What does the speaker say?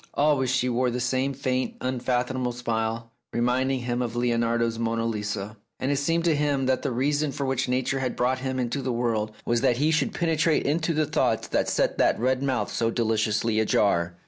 Always she wore the same faint, unfathom able smile, reminding him of Leonardo's "Monna Lisa," and it seemed to him that the reason for which Nature had brought him into the world was that he should penetrate into the thoughts that set that red mouth so deliciously ajar.